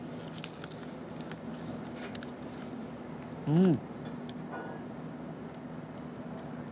うん。